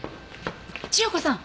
千代子さん